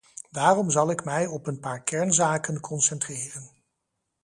Daarom zal ik mij op een paar kernzaken concentreren.